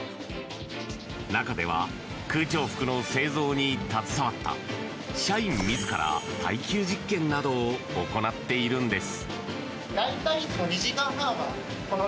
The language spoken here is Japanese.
中では空調服の製造に携わった社員自ら耐久実験などを行っているんです。